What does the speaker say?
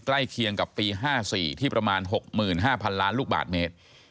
ใกล้เคียงกับปี๕๔ที่ประมาณ๖๕๐๐๐ล้านลูกบาทเมตร